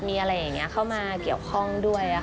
มีอะไรอย่างนี้เข้ามาเกี่ยวข้องด้วย